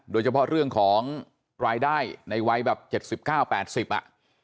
โดยเฉพาะเรื่องของรายได้ในวัยแบบ๗๙๘๐อ่ะ